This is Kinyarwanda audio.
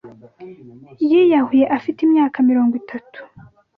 Yiyahuye afite imyaka mirongo itatu.